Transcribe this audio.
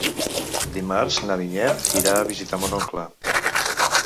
Dimarts na Vinyet irà a visitar mon oncle.